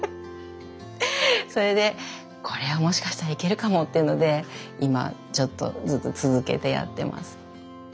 それでこれはもしかしたらいけるかもっていうので今ちょっとずつ続けてやってます。